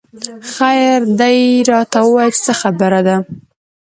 خېر دۍ راته وويه چې څه خبره ده